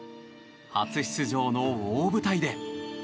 初出場の大舞台で。